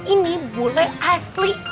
ini bule asli